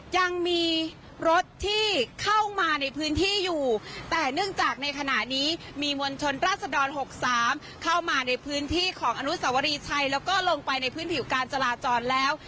ยังมีรถที่เข้ามาในพื้นที่อยู่แต่เนื่องจากในขณะนี้มีมวลชนราชดร๖๓เข้ามาในพื้นที่ของอนุสวรีชัยแล้วก็ลงไปในพื้นผิวการจราจรแล้ว